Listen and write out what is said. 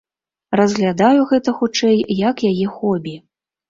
Разглядаю гэта, хутчэй, як яе хобі.